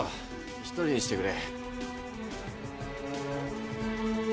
１人にしてくれ。